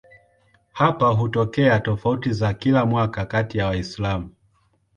Hapa hutokea tofauti za kila mwaka kati ya Waislamu.